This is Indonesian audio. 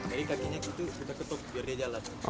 jadi kakinya gitu kita ketuk biar dia jalan